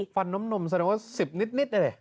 ฟันน้ำนมสามารถว่า๑๐นิดได้เลย